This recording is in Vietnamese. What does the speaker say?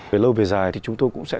về lâu về dài thì chúng tôi cũng sẽ